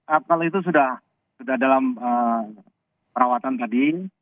apalagi itu sudah dalam perawatan tadi